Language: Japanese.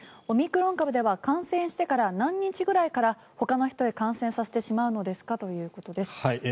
オミクロン株では感染してから何日ぐらいからほかの人へ感染させてしまうのですかということです。